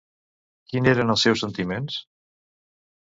Quin eren els seus sentiments?